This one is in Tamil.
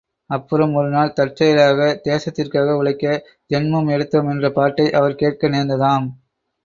அப்புறம் ஒரு நாள் தற்செயலாக தேசத்திற்காக உழைக்க ஜென்மம் எடுத்தோம் என்ற பாட்டை அவர் கேட்க நேர்ந்ததாம்.